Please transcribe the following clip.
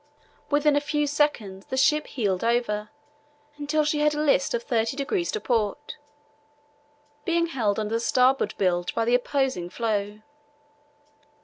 Within a few seconds the ship heeled over until she had a list of thirty degrees to port, being held under the starboard bilge by the opposing floe.